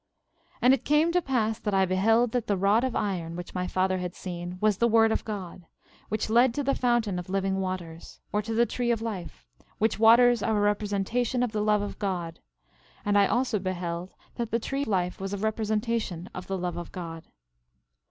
11:25 And it came to pass that I beheld that the rod of iron, which my father had seen, was the word of God, which led to the fountain of living waters, or to the tree of life; which waters are a representation of the love of God; and I also beheld that the tree of life was a representation of the love of God.